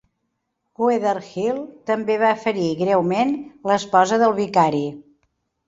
Weatherhill també va ferir greument l'esposa del vicari.